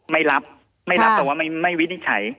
ไม่รับไม่รับแต่ว่าไม่วินิจฉัย